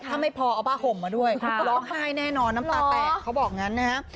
ถ้าไม่พอเอาผ้าห่มมาด้วยเขาก็ร้องไห้แน่นอนน้ำตาแตกเขาบอกงั้นนะฮะ